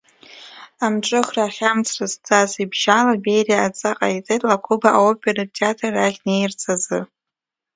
Амҽыӷра, ахьамҵра зҵаз ибжьала Бериа адҵа ҟаиҵеит Лакоба аоператә театр ахь днеирц азы.